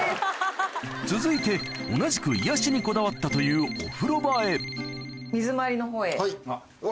続いて同じく癒やしにこだわったというお風呂場へ水回りの方へ。